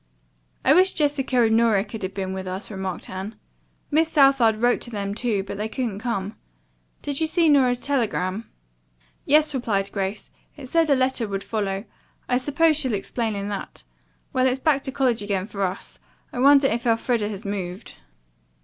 "I wish Jessica and Nora could have been with us," remarked Anne. "Miss Southard wrote them, too, but they couldn't come. Did you see Nora's telegram?" "Yes," replied Grace. "It said a letter would follow. I suppose she'll explain in that. Well, it's back to college again for us. I wonder if Elfreda has moved."